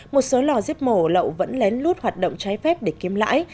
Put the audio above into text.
một số lò giết mổ lậu vẫn lén lút hoạt động trái phép để kiếm lãi